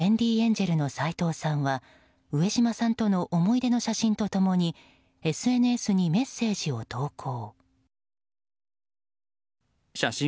トレンディエンジェルの斎藤さんは上島さんとの思い出の写真と共にＳＮＳにメッセージを投稿。